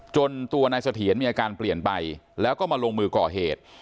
ตัวนายเสถียรมีอาการเปลี่ยนไปแล้วก็มาลงมือก่อเหตุ